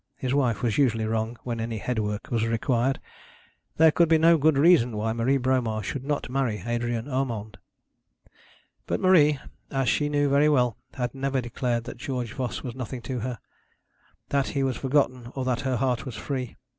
His wife was usually wrong when any headwork was required. There could be no good reason why Marie Bromar should not marry Adrian Urmand. But Marie, as she knew very well, had never declared that George Voss was nothing to her, that he was forgotten, or that her heart was free.